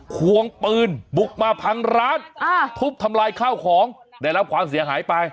ควงปืนบุกมาพังร้านทุบทำลายข้าวของได้รับความเสียหายไป